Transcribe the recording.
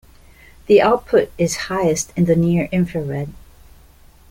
The output is highest in the near infrared.